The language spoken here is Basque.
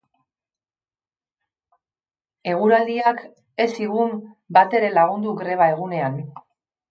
Eguraldiak ez zigun bat ere lagundu greba egunean.